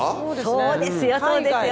そうですよそうですよ。